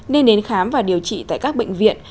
nên đến khám và điều trị tại các bệnh viện